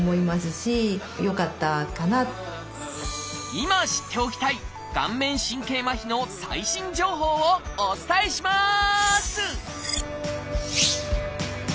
今知っておきたい顔面神経麻痺の最新情報をお伝えします！